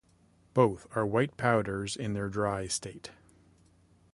Both are white powders in their dry state.